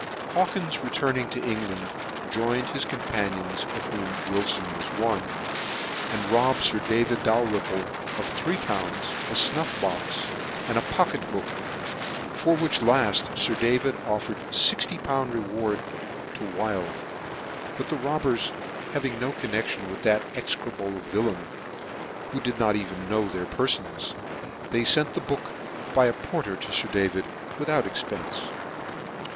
Hawkins returning to England, joined his companions, of whom Wilfon was one, and rob^ bed Sir David Dalrymple of about three pounds, a fnuff box, and a pocket book, for which laft Sir David offered 6ol. reward to Wild ; but the robbers having no connection with that execrable villain, who did not even know their perfons, they fent the book by a porter to Sir David, with out expence.